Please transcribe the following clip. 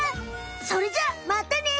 それじゃまったね！